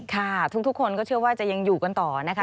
ค่ะทุกคนก็เชื่อว่าจะยังอยู่กันต่อนะคะ